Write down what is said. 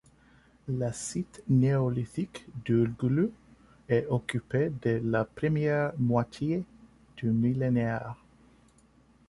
Le site néolithique d’Uğurlu est occupé dès la première moitié du millénaire.